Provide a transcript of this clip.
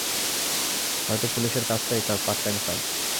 হয়তো পুলিশের কাজটাই তার পার্টটাইম কাজ।